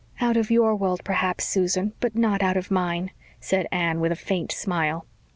"Out of your world perhaps, Susan but not out of mine," said Anne with a faint smile.